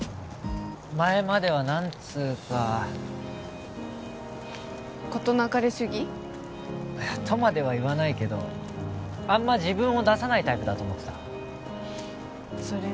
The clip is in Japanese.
前までは何つうか事なかれ主義？とまでは言わないけどあんま自分を出さないタイプだと思ってたそれ